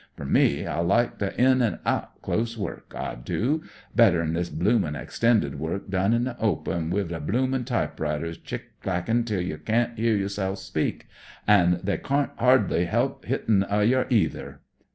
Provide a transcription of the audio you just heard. Per me, I like the in an' aht dose work, I do; better'n this bloomin* extended order work in the open, wiv the bloomin' typewriters clack clackin' till you cam't 'ear yourself speak. An' they cam't 'ardly 'elp Wttin' of yer, neither.